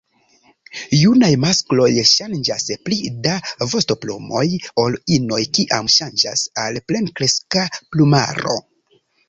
Junaj maskloj ŝanĝas pli da vostoplumoj ol inoj kiam ŝanĝas al plenkreska plumaro.